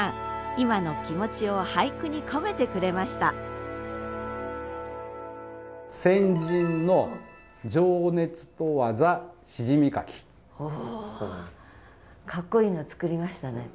今の気持ちを俳句に込めてくれましたおかっこいいの作りましたね。